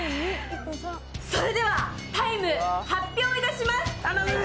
それではタイム、発表いたします。